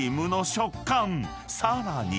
［さらに］